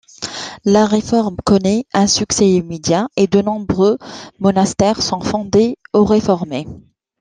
La réforme connaît un succès immédiat, et de nombreux monastères sont fondés ou réformés.